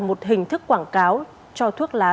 một hình thức quảng cáo cho thuốc lá